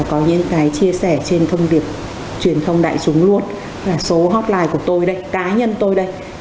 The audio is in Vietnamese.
có những cái chia sẻ trên thông điệp truyền thông đại chúng luôn là số hotline của tôi đây